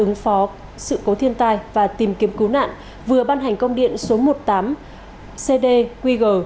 ứng phó sự cố thiên tai và tìm kiếm cứu nạn vừa ban hành công điện số một mươi tám cd qg